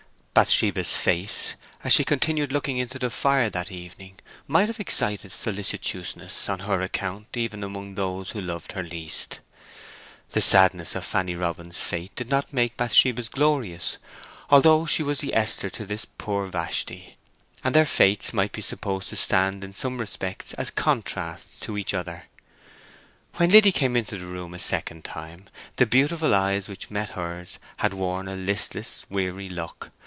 Bathsheba's face, as she continued looking into the fire that evening, might have excited solicitousness on her account even among those who loved her least. The sadness of Fanny Robin's fate did not make Bathsheba's glorious, although she was the Esther to this poor Vashti, and their fates might be supposed to stand in some respects as contrasts to each other. When Liddy came into the room a second time the beautiful eyes which met hers had worn a listless, weary look.